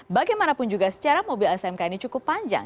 bagaimanapun juga secara mobil smk ini cukup panjang